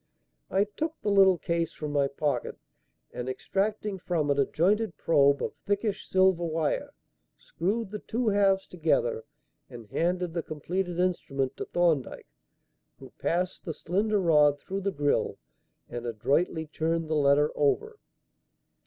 I took the little case from my pocket and extracting from it a jointed probe of thickish silver wire, screwed the two halves together and handed the completed instrument to Thorndyke; who passed the slender rod through the grille and adroitly turned the letter over.